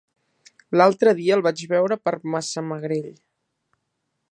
L'altre dia el vaig veure per Massamagrell.